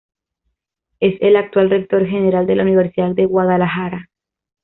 Es el actual Rector General de la Universidad de Guadalajara.